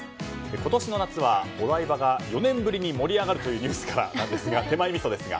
今年の夏はお台場が４年ぶりに盛り上がるというニュースからなんですが手前味噌ですが。